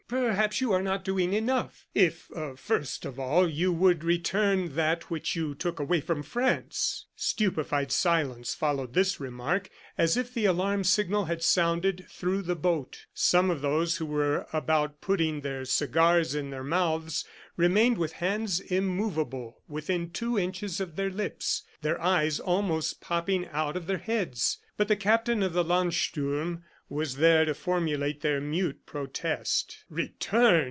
"Perhaps you are not doing enough. If, first of all, you would return that which you took away from France!" ... Stupefied silence followed this remark, as if the alarm signal had sounded through the boat. Some of those who were about putting their cigars in their mouths, remained with hands immovable within two inches of their lips, their eyes almost popping out of their heads. But the Captain of the Landsturm was there to formulate their mute protest. "Return!"